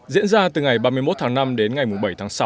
diễn ra từ ngày ba mươi một tháng năm đến ngày bảy tháng sáu